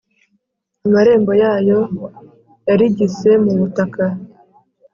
Amarembo yayo yarigise mu butaka,